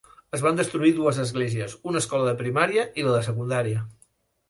Es van destruir dues esglésies, una escola de primària i la de secundària.